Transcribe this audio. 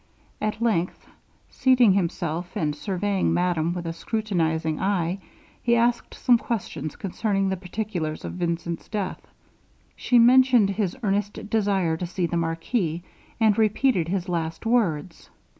At length seating himself, and surveying madame with a scrutinizing eye, he asked some questions concerning the particulars of Vincent's death. She mentioned his earnest desire to see the marquis, and repeated his last words.